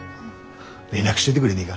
連絡しといでくれねえが？